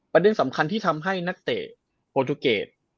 ประเด็นสำคัญที่ทำให้นักเตะโปรตูเกต